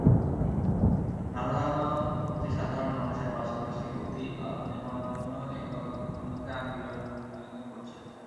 সাধারণ, অতি সাধারণ মানুষের পাশাপাশি অতি আধুনিক মানুষজনও একে অন্যকে আলিঙ্গন করছে।